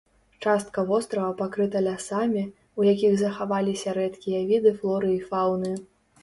Частка вострава пакрыта лясамі, у якіх захаваліся рэдкія віды флоры і фаўны.